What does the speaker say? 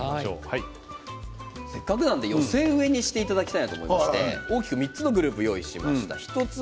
せっかくなので寄せ植えにしていただきたいと思って３つのグループを用意しました。